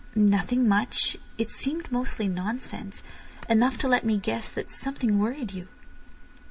"Nothing much. It seemed mostly nonsense. Enough to let me guess that something worried you."